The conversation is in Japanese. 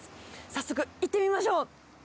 早速行ってみましょう。